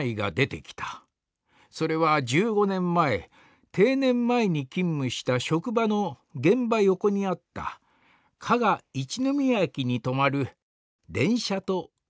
それは１５年前定年前に勤務した職場の現場横にあった加賀一の宮駅に止まる電車と桜の取り合わせである」。